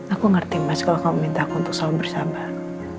aku ngerti mas kalau kamu minta aku untuk selalu bersabar